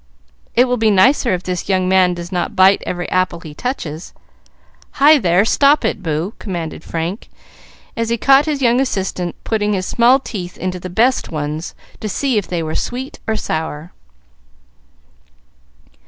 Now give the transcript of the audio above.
"It will be nicer if this young man does not bite every apple he touches. Hi there! Stop it, Boo," commanded Frank, as he caught his young assistant putting his small teeth into the best ones, to see if they were sweet or sour.